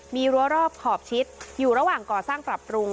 มีรั้วรอบขอบชิดอยู่ระหว่างก่อสร้างปรับปรุง